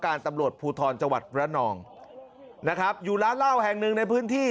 การตำลวจภูทลจวัทย์ระนองนะครับอยู่ล้านเล่าแห่งนึงในพื้นที่